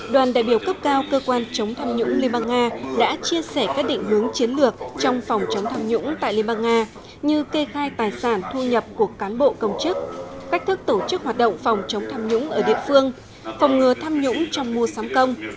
đoàn đại biểu cấp cao cơ quan chống tham nhũng liên bang nga đã chia sẻ các định hướng chiến lược trong phòng chống tham nhũng tại liên bang nga như kê khai tài sản thu nhập của cán bộ công chức cách thức tổ chức hoạt động phòng chống tham nhũng ở địa phương phòng ngừa tham nhũng trong mùa sắm công